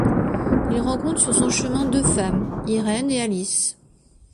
Il rencontre sur son chemin deux femmes, Irène et Alice.